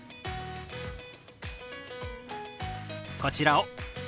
こちらを。